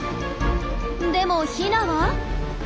でもヒナは？